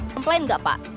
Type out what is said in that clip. komplain nggak pak